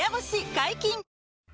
解禁‼